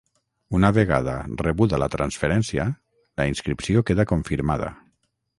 Una vegada rebuda la transferència, la inscripció queda confirmada.